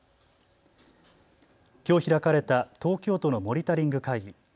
きょう開かれた東京都のモニタリング会議。